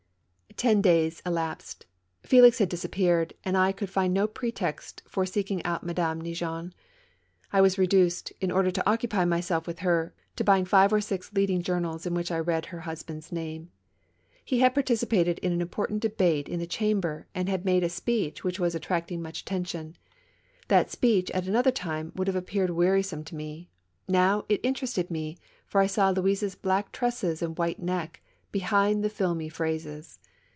T eh days elapsed. Felix had disappeared, and I could find no pretext for seeking out Madame Neigeon. I was reduced, in order to occupy myself with her, to buying five or six leading journals, in which I read her husband's name. lie had participated in an important debate in the Chamber, and had made a speech which was attracting much attention. That speech, at another time, would have appeared wearisome to me ; now, it interested me, for I saw Louise's black tresses and white neck behind the filmy phrases.